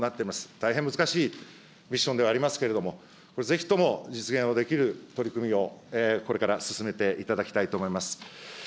大変難しいミッションではありますけれども、これぜひとも実現をできる取り組みをこれから進めていただきたいと思います。